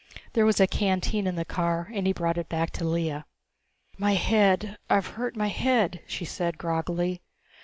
There was a canteen in the car and he brought it back to Lea. "My head I've hurt my head," she said groggily.